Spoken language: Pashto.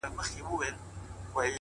کړے چې چا د بل په شا سفر دے